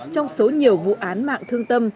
trong số nhiều vụ án mạng thương tâm